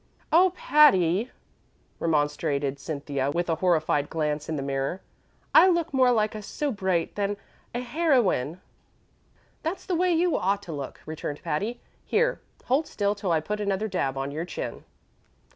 "Oh, Patty," remonstrated Cynthia, with a horrified glance in the mirror, "I look more like a soubrette than a heroine." "That's the way you ought to look," returned Patty. "Here, hold still till I put another dab on your chin."